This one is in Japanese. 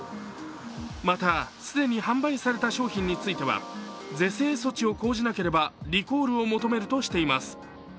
また、既に販売された商品については是正措置を講じなければリコールを求めるとしています。